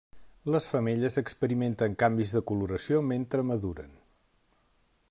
Les femelles experimenten canvis de coloració mentre maduren.